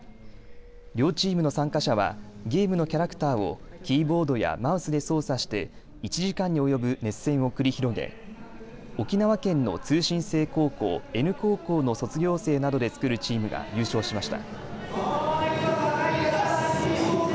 両チームの参加者はゲームのキャラクターをキーボードやマウスで操作して１時間に及ぶ熱戦を繰り広げ沖縄県の通信制高校、Ｎ高校の卒業生などで作るチームが優勝しました。